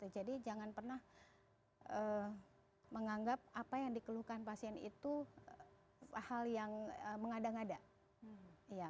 jadi jangan pernah menganggap apa yang dikeluhkan pasien itu hal yang mengada ngada